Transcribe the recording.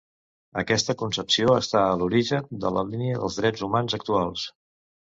Aquesta concepció està a l'origen de la idea dels drets humans actuals.